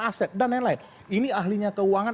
aset dan lain lain ini ahlinya keuangan